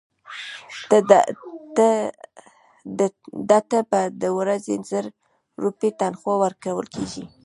ده ته به د ورځې زر روپۍ تنخوا ورکول کېږي.